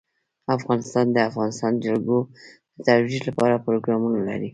افغانستان د د افغانستان جلکو د ترویج لپاره پروګرامونه لري.